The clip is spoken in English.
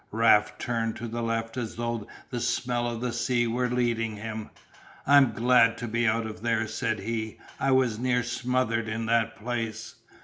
Raft turned to the left as though the smell of the sea were leading him. "I'm glad to be out of there," said he, "I was near smothered in that place."